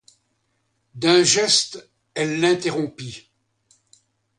D'un geste, elle l'interrompit.